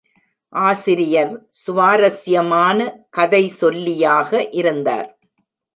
ஆசிரியர் சுவாரஸ்யமான கதைசொல்லியாக இருந்தார்.